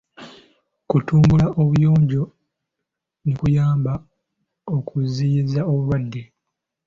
Kutumbula obuyonjo ne kuyamba okuziyiza obulwadde.